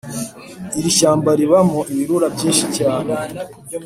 Irishyamba ribamo ibirura byinshi cyane